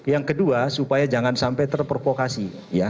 yang kedua supaya jangan sampai terprovokasi